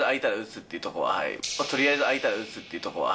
とりあえず空いたら打つというところは。